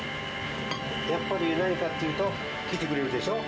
やっぱり何かっていうと来てくれるでしょ。